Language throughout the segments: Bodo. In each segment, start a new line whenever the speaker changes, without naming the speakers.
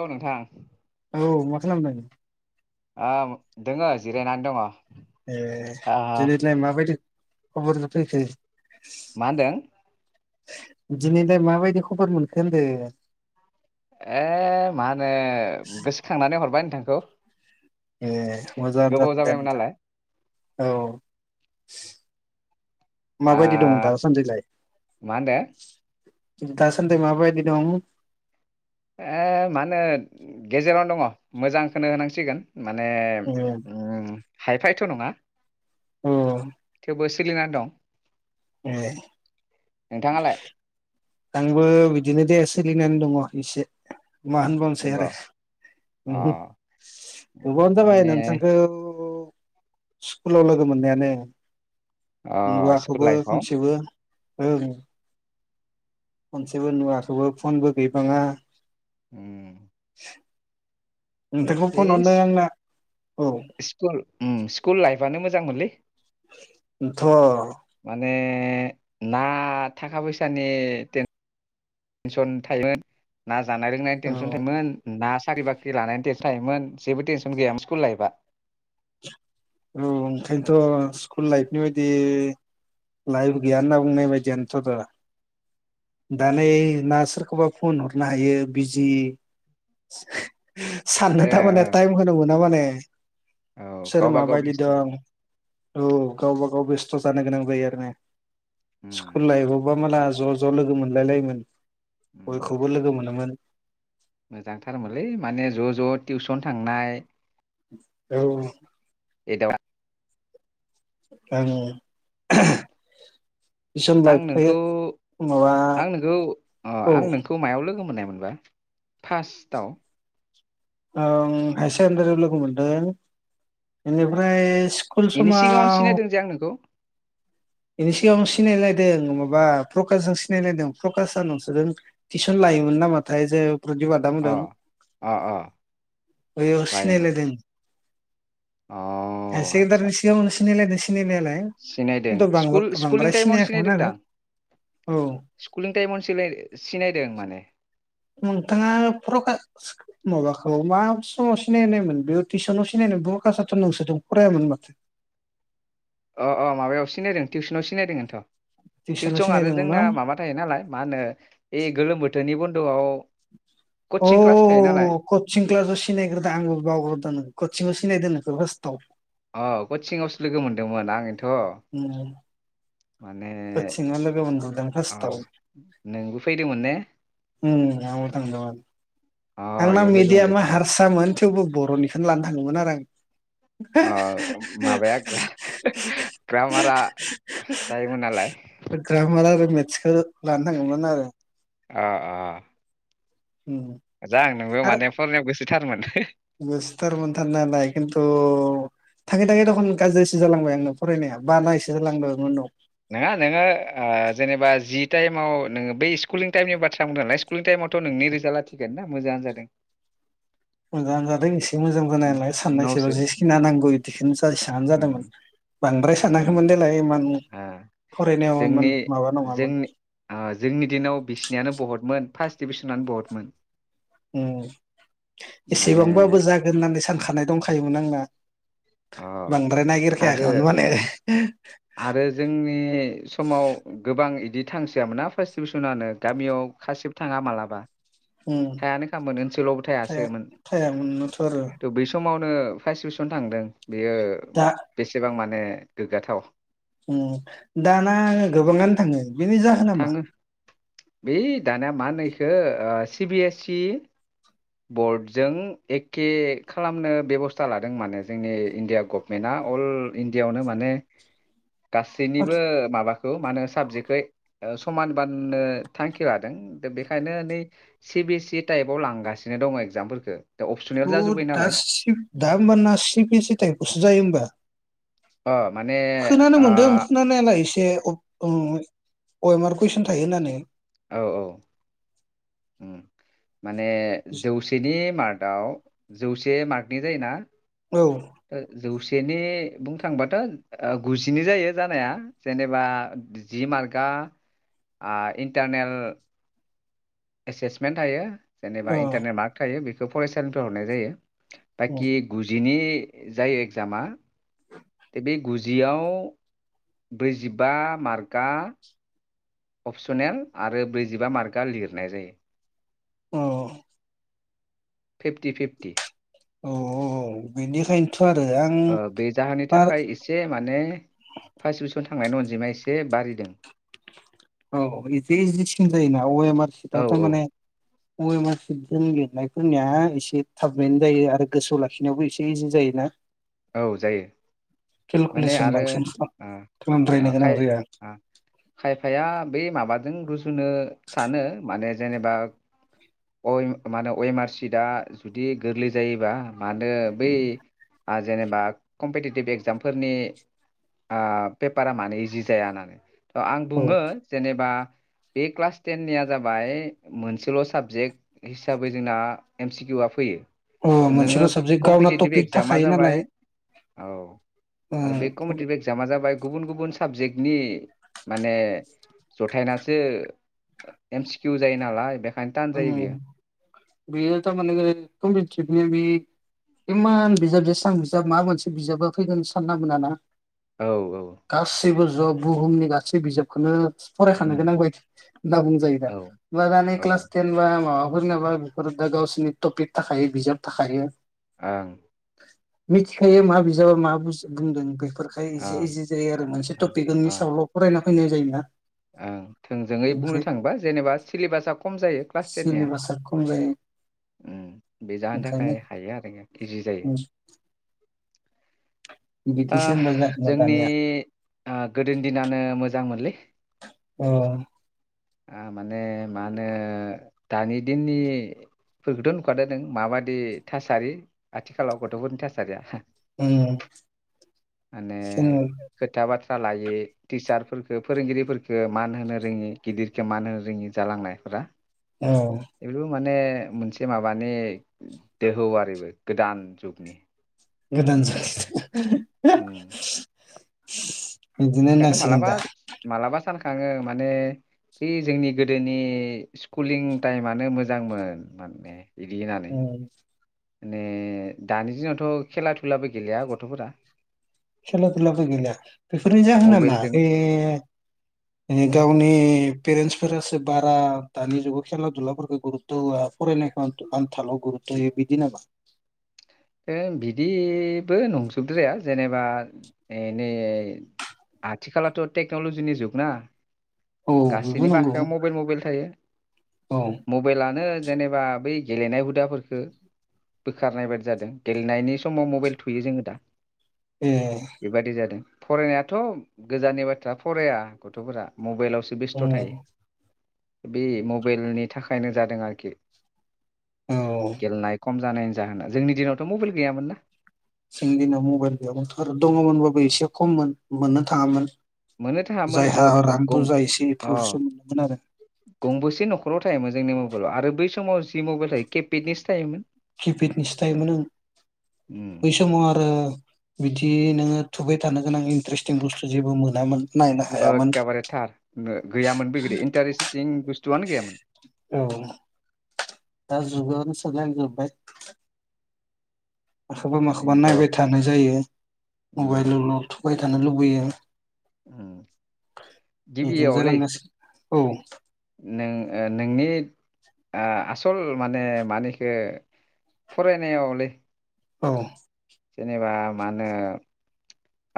औ नोंथां
औ मा खालामदों?
औ दोङो जिरायनानै दङ
ए दिनैलाय माबायदि खबरा [unintelligible]
मा होनदों?
दिनैलाय माबायदि खबर मोनखो होनदो
ए मा होनो गोसोखांनानै हरबाय नोंथां औ
ए मोजांङानो जादो दे नोंथां औ
ओ
माबायदि दं दासान्दिलाय?
मा होनदो
दासान्दि माबायदि दं?
ए मा होनो गेजेरावनो दङ मोजांखोनो होनांसिगोन। माने
ए
उम हायफायथ' नङा
औ
बोरै सोलिनानै दं?
ए
नोंथाङालाय?
आंबो बिदिनो दे सोलिनानै दङ इसे मा होनबावनोसै
नंग'
आरो
अ
गोबावानो
माने
जाबाय नोंथांखौ स्कुलाव लोगो मोननायानो
अ स्कुल
नुवाखैबो
लाइफआव
खनसेबो ओं खनसेबो नुवाखैबो फनबो गैबाङा
उम
[unintelligible] नोंथांखौ
बे
फन हरनो आंना औ
स्कुल उम स्कुल लाइफआनो मोजां मोनलै
इनथ'
माने ने ना थाखा फैसानि तेनसन थायोमोन ना जानाय लोंनायनि
औ
तेनसन थायोमोन ना साख्रि-बाख्रि लानायनि तेनसन थायोमोन जेबोटेनसन गैयामोन स्कुल लाइफआ
औ ओंखायनोथ' स्कुल लाइफनि बायदि लाइफ गैया होनना बुंनाय बायदियानोथ'थ' दा नै सोरखौबा फन हरनो हायो बिजि साननो
ए
थारमाने
ओ,
टाइमखौनो मोना माने
औ
सोर
गावबा गाव
माबाय
बेस्थ'
दं औ गाव गावबा-गाव बेस्थ' जानो गोनां जायो आरो ने? स्कुल
उम,
लाइफबावबा मालाय ज' ज' लोगो मोनलायलायोमोन
ओ मोजांथारमोनलै माने ज' ज' टिउसन थांनाय
औ
एदावनाय [inaudible]
ओं ओहो हो
आं नोंखौ आं नोंखौ अ
औ
आं नोंखौ मायाव लोगो मोन्नाय? मोननाय मोनबा फार्स्टआव?
ओ हायार सेकेण्डारियाव लोगो मोनदों बेनिफ्राय स्कुल
बेनि सिगाङावनो
समाव
सिनायदों जे आं नोंखौ
बिनि सिगांङाव सिनायलाय जों माबा प्रकश जों सिनायलायदों प्रकशआ नोंसोरजों टिउसन लायोमोन नामाथाय जो
अ अ-अ
बैयाव सिनालायदों
अ
सेकेण्डारिनि
आदसा-आदसा
सिगाङावनो सिनायलायदों सिनायनायालाय
सिनायदों
खिन्थु
स्कुल- स्कुलिं
बांद्राय
टाइमावनो
सिनायाखैमोन
सिनायदों
आरो
दा
औ
स्कुुलिं टाइमावनो सिना-सिनायदों माने
नोंथांङा प्रखास माबाखौ मा समाव सिनायनायमोन बेयाव टिउसनाव सिनायनाय प्रखासाथ' नोंसोरजों फरायामोन माथो
अ अ माबायाव सिनायदों टिउसनाव सिनायदोंथ'
टिउसनाव
टिउसन आरो
सिनायदोंमोन ना
जोंना माबा थायो नालाय मा होनो बे गोलोम बोथोरनि बन्द [inaudible]
अ कचिं क्लासाव सिनायग्रोदों आंबो बावगारदो कचिंआव सिनायदोंनो जस्थाव [unintelligible]
अ कचिंआवसो लोगो मोनदोंमोन आं
उम कचिंङाव लोगो मोनग्रोदों
अ
फासथाव उम
नोंबो फैदोंमोन ने
उम आंबो थांदोंमोन।
अ
आंना
इयाव लोगो मोनदों
मिडियामा
दे
हारसामोन थेवबो बर'निखोनो लानो थाङोमोन आरो आं।
ओ माबाया ग्रामारा जायोमोन नालाय।
टसखो लानो थाङोमोन आरो।
ओ ओ।
उम
मोजां नोंबो माने फरायनायाव गोसो थारमोन।
गोसोथार मोनथार नालाय खिन्थु थाङै थाङै दखन गाज्रिसो जालांबाय आंनो फरायनाया बानायसो जालांबाय उनाव।
नोङा नोङो ओ जेनेबा जि टाइमाव नोङो बै स्कुुलिं टाइमनि बाथ्रा बुंदों नालाय स्कुुलिं टाइमावथ' नोंनि रिजाल्टा थिगोनोना मोजाङानो जादों।
मोजाङानो जादों ए से मोजां जानाय
उम,
नालाय साननायसेबा
उनावसो
जिखिना नांगौ बिदिखोनो जेसांआनो जादोंमोन।
उम
बांद्राय सानाखैमोन
उम
देलाय इमान
ओ
फरायनायाव इमान
जोंनि
माबा नङामोन।
जोंनि ओ डिबिसनानो बहतमोन।
उम
माने
एसेबांबाबो जागोन होननानै सान खानाय दंखायोमोन आंना।
अ
बांद्राय
आरो
नागिरखायाखैमोन माने
आरो जोंनि समाव गोबां इदिट थांसैयामोना फार्स्ट डिभिसनानो गामियाव खासेबो थाङा मालाबा।
उम।
थायानो खामोन ओनसोलावबो
थाया
थायासोमोन।
थायामोननोथ' आरो
थ' बै समाव नो फार्स डिभिसन थांदों। बेयो
दा
बेसेबां मा ने गोग्गाथाव।
दाना आङो गोबाङानो थाङो। बेनि जाहोना मा
थाङो बे दाना मा होनो इ खो ओ सि बिए सि बर्डजों एखे खालामनो बेब'स्था लादों माने जोंनि इण्डिया गभमेन्टआ अल इण्डियावनो माने गासैनिबो माबा खौ मा होन साबजेक्टखै ओ समान बाननो थांखि लादों। दा बेखायनो नै सि बि एस सि इ टाइपआव लांगासिनो दङ एगजामफोरखो।
अ दा सि दा होमबाना सि बि सि थाइफावसो जायो होमबा।
ओ।
खोनानो मोन्दों खोनानायालाय इ से उ उम अयमार कुयसन थायो होननानै।
औ औ। उम। माने जौसेनि मार्टआव जौसे मार्कनि जायोना।
औ
ओ जौ सेनि बुंनो थांबाथ' ओ गुजिनि जायो जानाया जेनेबा जि मार्कआ आ इन्टारनेल एसेसमेन्ट थायो। जेनेबा
औ
इन्थारनेल मार्ख थायो बे खौ फरायसालिफ्राय हरनाय जायो।
औ
बाखि गुजिनि जाय एगजामा बे गुजियाव ब्रैजिबा मार्कआ अपसनेल आरो ब्रैजिबा मार्कआ लिरनाय जायो
औ
फिफटि फिफटि
अ
ओ बे जाहोननि
बार
थाखाय एसे माने फार्सदिबिसन थांनाय अनजिमा एसे बारिदों।
औ इदि इजिसिम जायोना अ एम आर
औ
सिथआथ'
औ
माने अ एम आर सिथजों लिरनायफोरनिया एसे थाबैनो जायो आरो गोसोआव लाखिनायावबो एसे इजि जायोना।
औ जायो माने
केलकुलेसन
आरो
बांसिन खालाम खालामद्रायनो
आ खाय
गोनां जाया
आ खाय फाया बै माबाजों रुजुनो सानो माने जेनेबा अ मा होनो अ अम आर सिटआ जुदि गोरलै जायोबा मानो बै आ जेनेबा कम्पिटिटिभ एगजामफोरनि आ पेपारा मानो इजि जाया होनानै आं
औ
बुंङो जेनेबा बे क्लास टेननिया जाबाय मोनसेल' साबजेक्ट हिसाबै जोंना एम सि किउआ फैयो।
अ
थ' नोङो
मोनसेल' साबजेक्ट गावना
कम्पिटिटिभ
टपिक
एग्जामा
थाखाय
जाबाय औ आरो बे
ओम
कमदिक इक्जाम‌ आ जाबाय गुबुन गुबुन साबजेक्टनि माने जथायनासो एम सिकिउ जायो नालाय बे
ओं बेयो थारमाने खमपेथिब नि बि इमान बिजाब जेसां बिजाब मा मोनसे बिजाबा फैगोन सानना मोनाना।
औ औ
गासैबो ज' बुहुमनि गासै बिजाबखौनो फरायखानो
उम
गोनां बायदि होनना बुंजायो दा
औ
हामब्ला दा नै
औ
क्लास हमबा माबाफोर नाबा बेफोरा गावसोरनि टपिक थाखायो बिजाब थाखायो
आं
मिथिखायो मा बिजाब मा बुस बुंदों फोरखाय
ओ
इजे इजे जायो आरो मोनसे टपिकनि
ओ
सायावल' फरायनांगौ‌ फैनाय जायोना
ओं थोंजोङै
ओमफ्राय
बुंनो थांङोबा जेनेबा सिलेबासाआ खम जाय जायो क्लास टेननिया
सिलेबासा खम जायो
उम बे जानो
ओंखायनो
थाखाय हायो आरो इजि जायो।
उम
आ‌
बिदिसो होनबा जाखोना
जोंनि
दानिया
ओ गोदोनि दिनानो मोजां मोनलै
औ
माने मा होनो दानि दिननिफोरखौथ' नुख जादों माबादि थासारि आथिखालाव गथ'फोरनि थासारिया
उम
माने
सेनियर
बाथ्रा लायो टिचारखो फोरोंगिरिफोरफोरखो मान होनो रोङि गिदिरखो मान होनो रोङि जालांनायफोरा
औ
एबो माने ओ मोनसे माबानि दोहौ आरो बे गोदान जुगनि
गोदान [unintelligible]
उम
[inaudible]
बेखायनो
होननांसिगोन
मालाबा
दा
मालाबा सानख थाङो माने बे जोंनि गोदोनि स्कुुलिं टाइमानो मोजांमोन माने गिनानै
उम
ने दानि दिनावथ खेला दुलाबो गेलेया गथफोरा
खेला दुलाबो गैला बेफोरनि जाहोनामा
मबाइलजों
गावनि पेरेन्टसफोरासो बारा दानि जुगाव खेला दुलाफोरखौ गुरुतथ होआ फरायनायखौ आन्थालाव गुरुतथ होयो बिदिनो
ओ बिदिबो नंजोबद्राया जेनेबा ए नै आथिखलाथ टेक्नलजिनि जुगना
औ बेबो
गासैनि
नंगौ
बाखायाव मबेइल मबेइल थायो
औ
मबाइलानो जेनेबा बै गेलेनाय हुदाफोरफोरखौ बोखारनाय बायदि जादों गेलेनायनि समाव मबाइल थुयो जोङो दा
ए
बेबादि जादों फरायनायाथ' गोजाननि बाथ्रा फराया गथ'फोरा मबाइलावो सुब
उम
बेस्थ थायो बे मबाइलनि थाखायनो जादों आरोखि
औ
गेलनाय खम जानायनि जाहोना जोंनि दिनावथ मबाइल गैयामोन ना
जोंनि दिनाव मबाइल गैयावथ दङमोनबाबो एसे खममोन मोननो थाङामोन
मोननो थाङामोन
जायहा रां
गं
बुरजा एसे
अ
प्रसन मोन आरो
गंबेसे नखराव थायोमोन जोंनि मबाइलाव आरो बै समाव जि मबाइल थायो केपेडनिसो थायोमोन
किपेडनि सिथायोमोन ओं
उम
बै समाव आरो बिदि नोङो थुबाय थानो गोनां इन्टारेस्टिं बुस्थु जेबो मोनामोन नायनो हायामोन
एखेबारे थार गैयामोन बे गिदिर इन्टारेस्टिं बुस्थुआनो गैयामोन।
औ दा जुगावनो सोलायजोबाय। माखौबा माखौबा नायबाय
ओरैनोथ'
थानाय जायो
उम
मबाइलाव ल थुबाय थानो लुबैयो।
उम
बिदिनो
गिबियावलै
जालांगासिनो। औ।
नों नोंनि आ आसल माने मानिखो फरायनायावलै।
औ।
जेनेबा मा होनो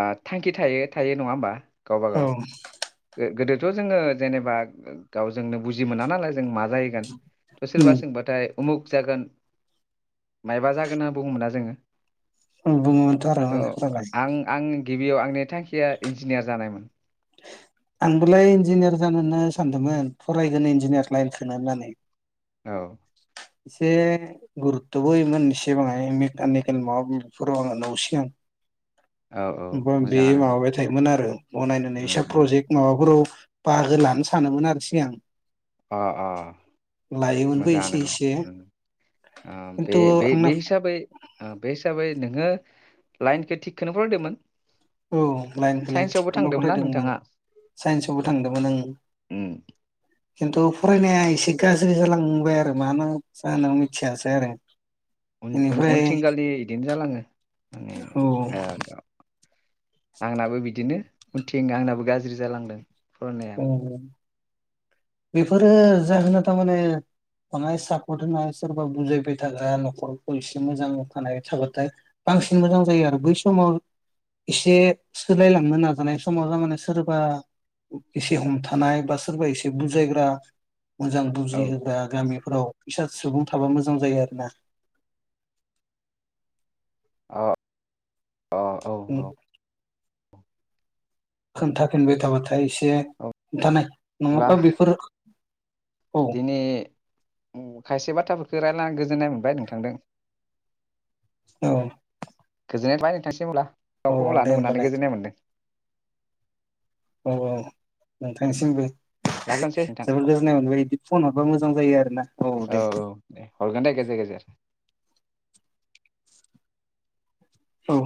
ओ थांखि थायो थायो नङा होमबा। गावबा
औ।
गाव गोदोथ' जोङो जेनेबा गावजोंनो बुजि मोना नालाय जों मा जाहैगोन थ'
उम
सोरबा सोंबाथाय उमुक जागोन मायबा जागोन होनना बुङोमोनना जोङो
बुंङोमोनथ' आरो
थ'
मालाय
आं आं गिबियाव आंनि थांखिया इन्जिनियार जानायमोन।
आंबोलाय इन्जिनियार जानोनो सानदोंमोन फरायगोन इन्जिनियार लाइनखौ होननानै
औ।
एसे गुरुत्थ'बो होयोन एसेबाङाय मेकानिकेल माबा बेफोराव आङो नसिंआव
औ औ
त बे
मोजाङानोमोन
माबाबाय थायोमोन आरो बनाय
उम
ऐसा
उम
प्रजेक माबाफोराव बाहागो लानो सानोमोन आरो सिगां।
अ अ
लायोमोनबो एसे एसे
मोजाङानोमोन ओ
खिन्थु आंना
बे हिसाबै बे हिसाबै नोङो लाइनखो थिगखौनो फरायदोंमोन।
औ लाइन फैलाइ
साइन्सआवबो
थिकखौनोनो
थांदोंमोनना
फरायदोंमोन आं
नोंथाङा
साइन्सावबो थांदोमोन आं।
उम,
त फरायनाया एसे गाज्रि ज्रि जालांबाय आरो मा होन जाहोनाव मिथियासै आरो। बेनिफ्राय
उनथिंगालि इदिनो जालाङो माने
औ
आंनाबो बिदिनो उनथिं आंनाबो गाज्रि जालांदों। फरायनाया
[inaudible] बेफोरो जाहोना थामाने मनाय सापर्ट होनाय सोरबा बुजायबाय थाग्रा न'खरखौ एसे मोजांखानाय थाबाथाय बांसिन मोजां जायो आरो बै समाव एसे सोलायलांनो नाजानाय समाव थारमाने सोरबा एसे हमथानाय बा सोरबा एसे बुजायग्रा मोजां
औ
बुजिहोग्रा गामिफोराव बायसा सुबुं थाबा मोजां जायो आरो ना।
[inaudible] अ औ औ।
खोन्थाफिनबाय थाबाथाय एसे खोन्थानाय
अब्ला
नङाबा बेफोर औ
दिनै खायसे बाथ्राफोरखौ रायलायनानै गोजोननाय मोनदों बाय नोंथांदों
औ
गोजोननाय थाबाय नोंथांनिसिम अब्ला
औ
खबर
दे
लानो मोननानै
होमबालाय
गोजोननाय मोन्दों
औ- औ नोंथांनिसिमबो
लाखिथ'सै नोंथां
जोबोद गोजोननाय मोनबाय बिदि फन हरबा मोजां जायो आरोना औ दे
औ दे हरगोन दे गेजेर गेजेर
औ